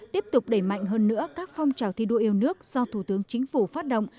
tiếp tục đẩy mạnh hơn nữa các phong trào thi đua yêu nước do thủ tướng chính phủ phát động